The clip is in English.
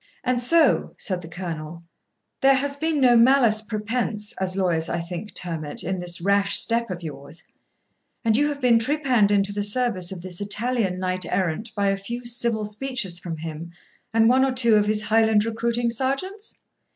'And so,' said the Colonel, 'there has been no malice prepense, as lawyers, I think, term it, in this rash step of yours; and you have been trepanned into the service of this Italian knight errant by a few civil speeches from him and one or two of his Highland recruiting sergeants?